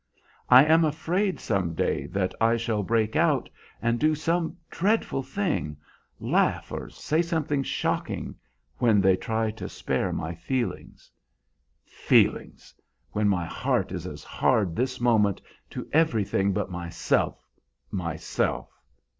I am afraid some day I shall break out and do some dreadful thing, laugh or say something shocking, when they try to spare my feelings. Feelings! when my heart is as hard, this moment, to everything but myself, myself!